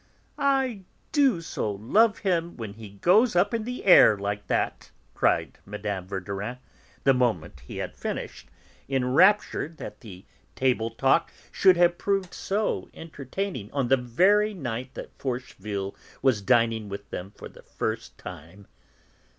"I do so love him when he goes up in the air like that!" cried Mme. Verdurin, the moment that he had finished, enraptured that the table talk should have proved so entertaining on the very night that Forcheville was dining with them for the first time.